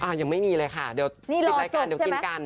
ยังไม่มีเลยค่ะเดี๋ยวปิดรายการเดี๋ยวกินกัน